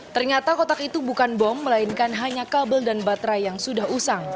ternyata kotak itu bukan bom melainkan hanya kabel dan baterai yang sudah usang